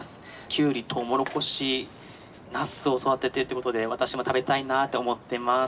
キュウリトウモロコシナスを育ててるということで私も食べたいなと思ってます」。